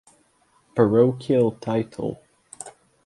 Parochial title.